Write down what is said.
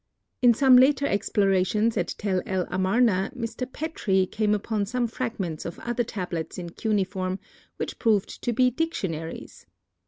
In some later explorations at Tel el Amarna Mr. Petrie came upon some fragments of other tablets in cuneiform which proved to be dictionaries.